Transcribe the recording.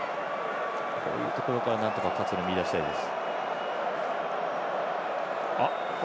こういうところから、なんとか活路を見いだしたいです。